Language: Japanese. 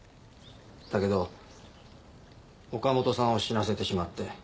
だけど岡本さんを死なせてしまって。